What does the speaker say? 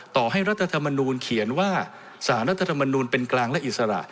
ต่อให้รัฐธรรมนูลเขียนว่าสารรัฐธรรมนูลเป็นกลางและอิสระ